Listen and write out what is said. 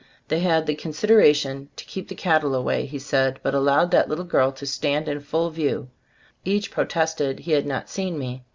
They had "the consid eration to keep the cattle away," he said, "but allowed that little girl to stand in full view." Of course, each protested he had not seen me.